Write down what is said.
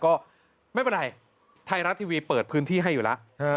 ก็ไม่เป็นไรไทยรัฐทีวีเปิดพื้นที่ให้อยู่แล้ว